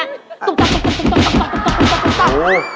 ตุ๊บตุ๊บตุ๊บตุ๊บตุ๊บ